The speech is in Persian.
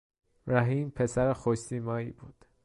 رحیم پسر خوشسیمایی بود.